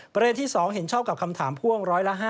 ประเด็นที่๒เห็นชอบกับคำถามพ่วง๑๕